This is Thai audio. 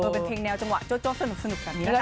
เป็นเพลงแนวจังหวะโจ๊กสนุกแบบนี้แหละ